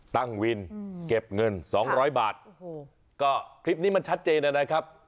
ตั้งวินเก็บเงิน๒๐๐บาทก็คลิปนี้มันชัดเจนแล้วนะครับ